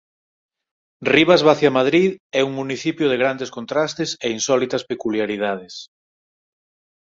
Rivas Vaciamadrid é un municipio de grandes contrastes e insólitas peculiaridades.